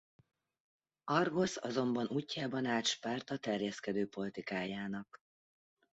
Argosz azonban útjában állt Spárta terjeszkedő politikájának.